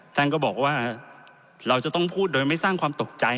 ท่านก็บอกว่าเราจะต้องพูดโดยไม่สร้างความตกใจ